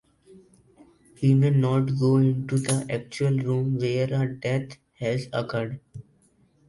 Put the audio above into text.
He may not go into the actual room where a death has occurred.